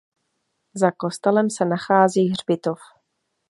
Za kostelem se nachází hřbitov.